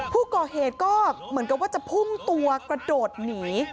ผู้ก่อเหตุก็เหมือนกับว่าจะพุ่งตัวกระโดดหนี